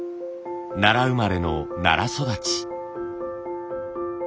奈良生まれの奈良育ち。